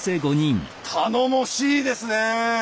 頼もしいですねえ！